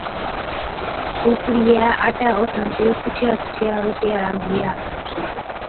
ڪُوڪڙِيئَي آٽَي اوسڻتِي سُٺِيا سُٺِيا روٽِيا رانڌلِيا۔